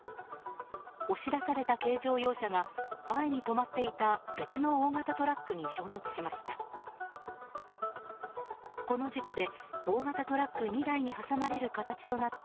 押し出された軽乗用車が前に止まっていた別の大型トラックに衝突しました。